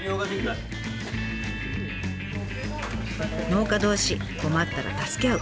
農家同士困ったら助け合う。